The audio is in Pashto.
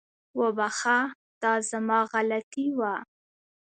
وبخښه، دا زما غلطي وه